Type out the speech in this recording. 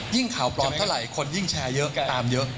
ข่าวปลอมเท่าไหร่คนยิ่งแชร์เยอะตามเยอะ